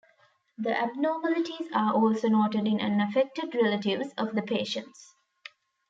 The abnormalities are also noted in unaffected relatives of the patients.